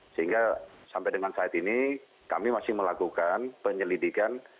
sehingga sampai dengan saat ini kami masih melakukan penyelidikan